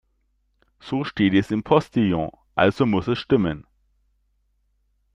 So steht es im Postillon, also muss es stimmen.